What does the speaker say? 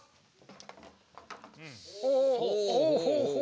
おほうほうほう。